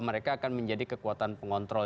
mereka akan menjadi kekuatan pengontrol